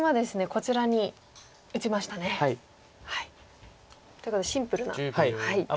こちらに打ちましたね。ということでシンプルな手厚い形ですか。